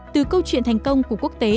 từ câu chuyện thành công của quốc tế